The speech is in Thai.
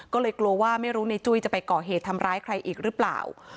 ก็เลยกลัวว่าไม่รู้ในจุ้ยจะไปก่อเหตุทำร้ายใครอีกหรือเปล่า